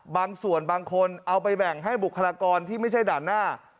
ส่วนบางคนเอาไปแบ่งให้บุคลากรที่ไม่ใช่ด่านหน้า